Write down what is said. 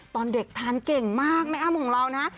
ตอนเด็กทานเก่งมากแม่อ้ำของเรานะ